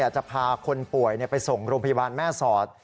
จะพาคนป่วยไปส่งโรงพยาบาลแม่สอด